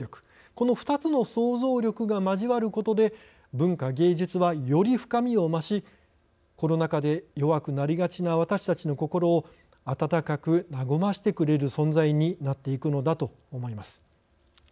この２つのソウゾウ力が交わることで文化芸術はより深みを増しコロナ禍で弱くなりがちな私たちの心を温かく和ましてくれる存在になっていくのだと思います。